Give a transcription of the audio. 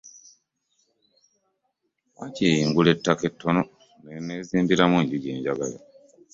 Waakiri ngula ettaka ettono ne nneezimbiramu enju gye njagala.